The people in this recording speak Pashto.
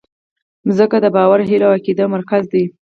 مځکه د باور، هیلو او عقیدې مرکز ده.